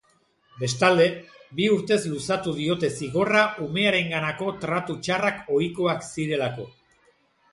Bestalde, bi urtez luzatu diote zigorra umearenganako tratu txarrak ohikoak zirelako.